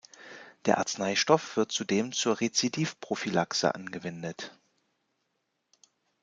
Der Arzneistoff wird zudem zur Rezidiv-Prophylaxe angewendet.